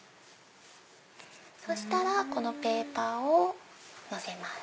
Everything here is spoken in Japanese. そしたらペーパーをのせます。